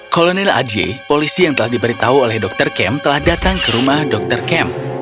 kolonel aj polisi yang telah diberitahu oleh dokter kem telah datang ke rumah dr kem